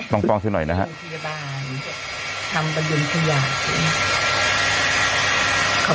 ลองฟังซักหน่อยนะฮะ